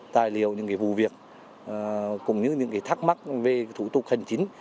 tài liệu những vụ việc cũng như những thắc mắc về thủ tục hành chính